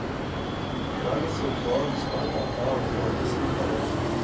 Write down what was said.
Traga seus olhos para o Natal e floresça na Quaresma.